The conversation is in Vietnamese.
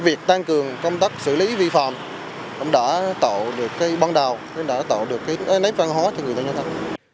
việc tăng cường công tác xử lý vi phạm đã tạo được băng đào đã tạo được nếp văn hóa cho người ta nhận thức